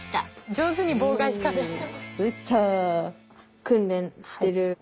上手に妨害したね。